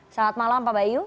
selamat malam pak bayu